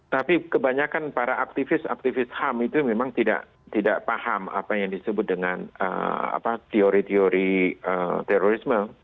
tapi kebanyakan para aktivis aktivis ham itu memang tidak paham apa yang disebut dengan teori teori terorisme